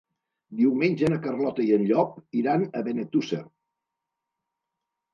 Diumenge na Carlota i en Llop iran a Benetússer.